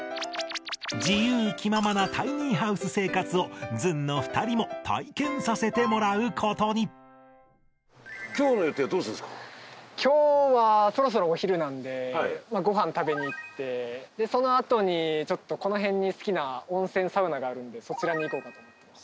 自由気ままなタイニーハウス生活をずんの２人も体験させてもらうことに今日はそろそろお昼なんでご飯食べに行ってその後にこの辺に好きな温泉サウナがあるんでそちらに行こうかと思ってます。